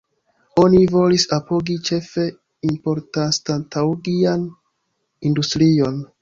Oni volis apogi ĉefe importanstataŭigan industrion.